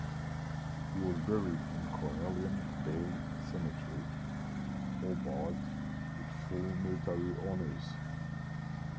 He was buried in Cornelian Bay Cemetery, Hobart, with full military honours.